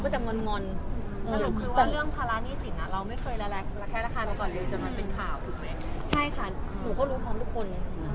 ใช่ค่ะเราก็รู้ทั้งทุกคน